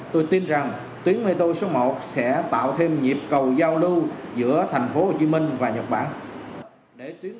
tôi tin rằng tuyến metro số một sẽ tạo thêm nhịp cầu giao lưu giữa thành phố hồ chí minh và nhật bản